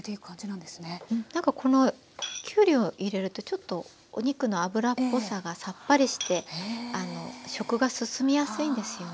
なんかこのきゅうりを入れるとちょっとお肉の脂っぽさがさっぱりして食が進みやすいんですよね。